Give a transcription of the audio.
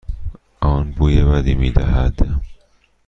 آن بوی بدی میدهد.